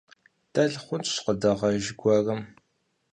Дэлъ хъунщ къыдэгъэж гуэрым.